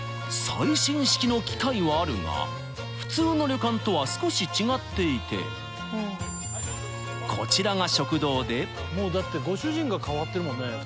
最新式の機械はあるが普通の旅館とは少し違っていてこちらがだってご主人が変わってるもんね。